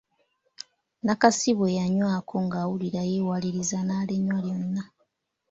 Nakasi bwe yanywako ng’awulira yeewaliriza naalinywa lyonna.